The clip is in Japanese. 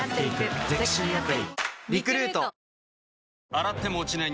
洗っても落ちない